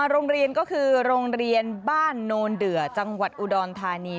โรงเรียนก็คือโรงเรียนบ้านโนนเดือจังหวัดอุดรธานี